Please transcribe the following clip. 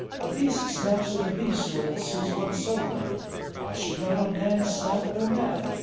A beast snaps at a beast when it sees one suddenly; why should not a man snap at a man?